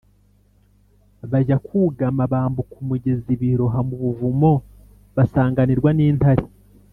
bajya kugama , bambuka umugezi, biroha mu buvumo, basanganirwa n’intare